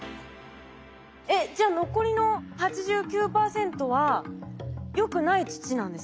えっじゃあ残りの８９％はよくない土なんですか？